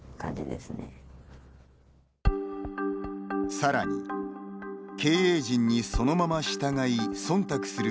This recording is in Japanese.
さらに、経営陣にそのまま従いそんたくする